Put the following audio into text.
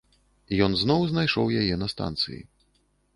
Ён зноў знайшоў яе на станцыі.